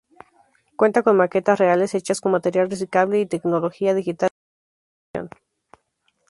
Cuenta con maquetas reales hechas con material reciclable y tecnología digital de última generación.